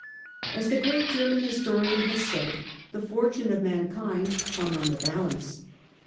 As the great German historian has said, the fortune of mankind hung on the balance.